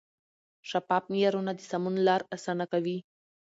شفاف معیارونه د سمون لار اسانه کوي.